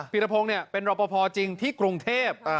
พี่ระพงเนี่ยเป็นรับประพอจริงที่กรุงเทพฯ